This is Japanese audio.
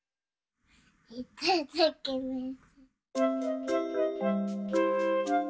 いただきます！